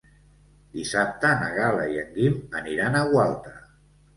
Dissabte na Gal·la i en Guim aniran a Gualta.